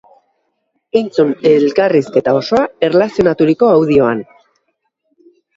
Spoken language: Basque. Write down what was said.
Entzun elkarrizketa osoa eralzionaturiko audioan!